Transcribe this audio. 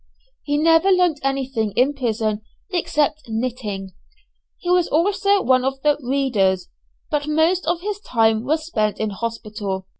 He never learnt anything in prison except knitting. He was also one of the "readers," but most of his time was spent in hospital.